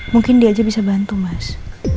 mungkin dia aja bisa bantu mas